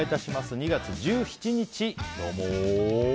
２月１７日、今日も。